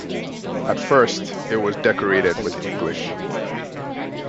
At first it was decorated with English.